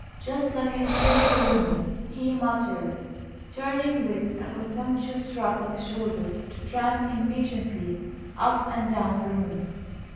"Just like a hysterical woman," he muttered, turning, with a contemptuous shrug of his shoulders, to tramp impatiently up and down the room.